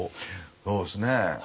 そうですね。